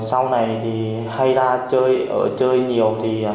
sau này thì hay ra ở chơi nhiều